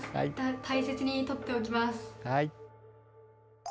大切に取っておきます。